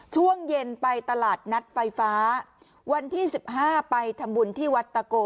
ช่วงเย็นไปตลาดนัดไฟฟ้าวันที่สิบห้าไปทำบุญที่วัดตะโก